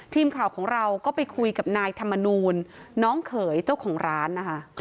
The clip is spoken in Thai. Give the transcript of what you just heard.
ทีมข่าวของเราก็ไปคุยกับนายธรรมนูลน้องเขยเจ้าของร้านนะคะ